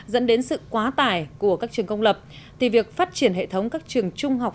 dẫn đến sự quá tải của các trường công lập thì việc phát triển hệ thống các trường trung học